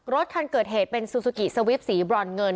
รถคันเกิดเหตุเป็นซูซูกิสวิปสีบรอนเงิน